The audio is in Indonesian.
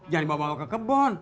jangan dibawa bawa ke kebun